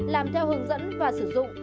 làm theo hướng dẫn và sử dụng